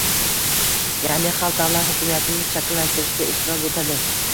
Ya'ni, xalq davlat hokimiyatini shakllantirishda ishtirok etadi